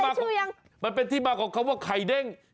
เข้าใจชื่อยังมันเป็นที่มาของเขาว่าไข่เด้ง